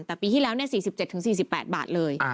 แต่ปีที่แล้ว๔๗๔๘บาทเลย